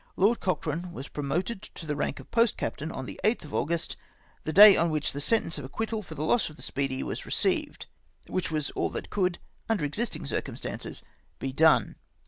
Lord Cochrane was promoted to the rank of post captain on the 8th of August, the day on which the sentence of acquittal for the loss of the Speedy ivas re ceived — which was all that could under existing circumstances be done.